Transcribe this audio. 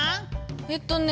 えっとね